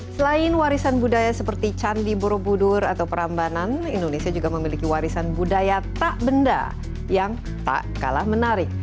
selain warisan budaya seperti candi borobudur atau perambanan indonesia juga memiliki warisan budaya tak benda yang tak kalah menarik